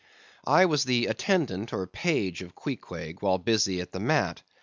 I was the attendant or page of Queequeg, while busy at the mat.